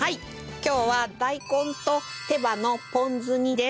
今日は大根と手羽のポン酢煮です。